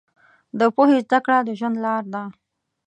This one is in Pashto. د پوهې زده کړه د ژوند لار ده.